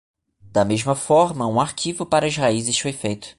Da mesma forma, um arquivo para as raízes foi feito.